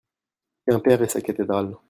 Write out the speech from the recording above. Quimper et sa cathédrale.